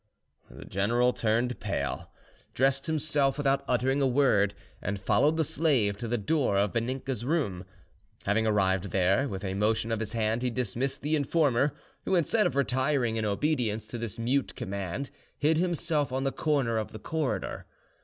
The general turned pale, dressed himself without uttering a word, and followed the slave to the door of Vaninka's room. Having arrived there, with a motion of his hand he dismissed the informer, who, instead of retiring in obedience to this mute command, hid himself in the corner of the corridor.